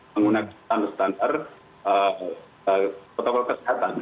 menggunakan standar standar protokol kesehatan